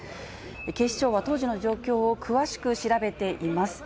警視庁は当時の状況を詳しく調べています。